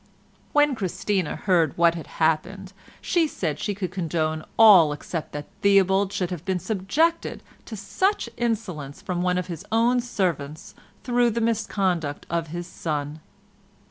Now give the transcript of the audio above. When Christina heard what had happened she said she could condone all except that Theobald should have been subjected to such insolence from one of his own servants through the misconduct of his son.